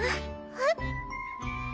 えっ？